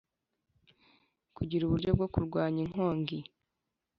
Kugira uburyo bwo kurwanya inkongi